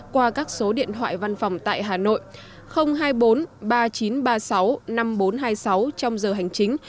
qua các số điện thoại văn phòng tại hà nội hai mươi bốn ba nghìn chín trăm ba mươi sáu năm nghìn bốn trăm hai mươi sáu trong giờ hành chính